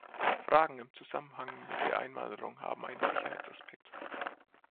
Fragen im Zusammenhang mit der Einwanderung haben einen Sicherheitsaspekt.